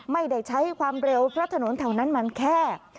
ไม่ได้ใช้ความเร็วเพราะถนนแถวนั้นมันแคบ